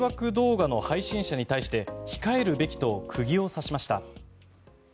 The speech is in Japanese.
松野官房長官が迷惑動画の配信者に対して控えるべきと釘を刺しました。